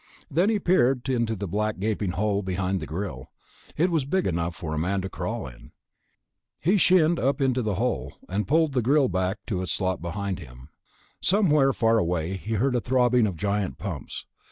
Then he peered into the black gaping hole behind the grill. It was big enough for a man to crawl in. He shinned up into the hole, and pulled the grill back into its slot behind him. Somewhere far away he heard a throbbing of giant pumps.